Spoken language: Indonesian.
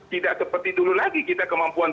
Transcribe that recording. tidak seperti dulu lagi kita kemampuan